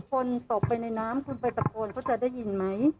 คนตกไปในน้ำคุณไปตะโกนเขาจะได้ยินไหม